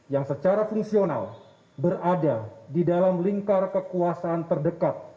yang secara fungsional berada di dalam lingkar kekuasaan terdekat